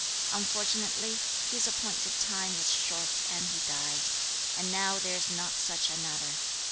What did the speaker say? Unfortunately, his appointed time was short and he died; and now there is not such another.